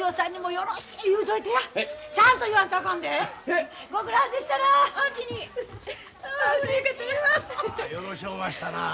よろしおましたなあ。